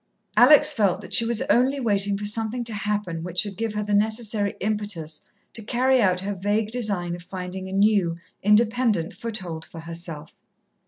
Alex felt that she was only waiting for something to happen which should give her the necessary impetus to carry out her vague design of finding a new, independent foothold for herself.